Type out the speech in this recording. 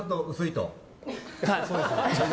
はい、そうですね。